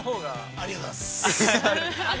◆ありがとうございます。